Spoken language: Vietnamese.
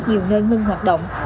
nhiều nơi ngưng hoạt động